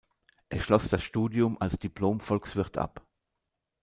Er schloss das Studium als Diplom-Volkswirt ab.